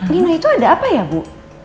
nino itu ada apa ya bu